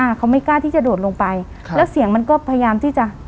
เขาไม่กล้าที่จะโดดลงไปครับแล้วเสียงมันก็พยายามที่จะ